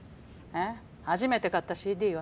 初めて買ったＣＤは？